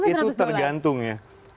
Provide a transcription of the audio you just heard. itu tergantung ya